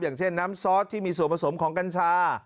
อย่างเช่นน้ำซอสที่มีส่วนผสมของกัญชา